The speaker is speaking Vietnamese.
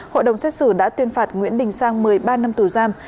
hội đồng xét xử đã tuyên phạt nguyễn đình sang một mươi ba năm tù giam